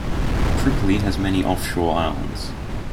Tripoli has many offshore islands.